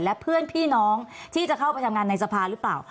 และเพื่อนพี่น้องที่จะเข้าไปทำงานในสภาหรือเปล่า